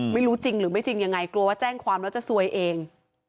ไม่รู้จริงหรือไม่จริงยังไงกลัวว่าแจ้งความแล้วจะซวยเอง